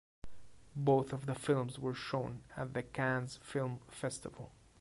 Both of the films were shown at the Cannes Film Festival.